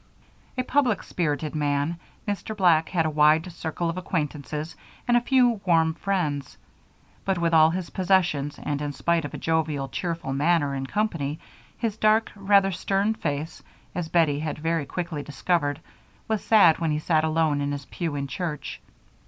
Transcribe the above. A public spirited man, Mr. Black had a wide circle of acquaintances and a few warm friends; but with all his possessions, and in spite of a jovial, cheerful manner in company, his dark, rather stern face, as Bettie had very quickly discovered, was sad when he sat alone in his pew in church.